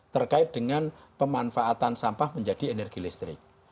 terkait dengan pemanfaatan sampah menjadi energi listrik